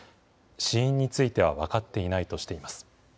死因については分かっていないとしています。